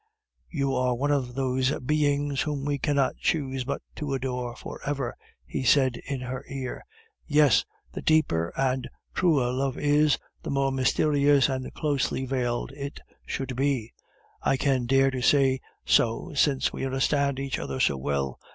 "You are one of those beings whom we cannot choose but to adore for ever," he said in her ear. "Yes, the deeper and truer love is, the more mysterious and closely veiled it should be; I can dare to say so, since we understand each other so well.